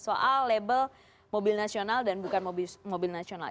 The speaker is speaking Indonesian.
soal label mobil nasional dan bukan mobil nasional